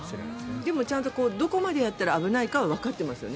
でもどこまでやったら危ないかはわかっていますよね。